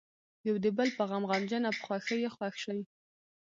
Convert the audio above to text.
یو د بل په غم غمجن او په خوښۍ یې خوښ شي.